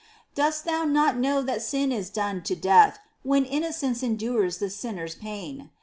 — ^Dost thou not know that sin is done to death When Innocence endures the sinners' pain